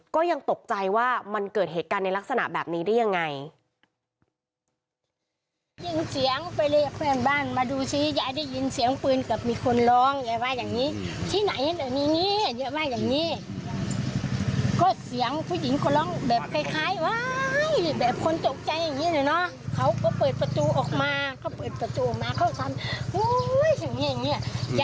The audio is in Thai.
ก็ยังตกใจว่ามันเกิดเหตุการณ์ในลักษณะแบบนี้ได้ยังไง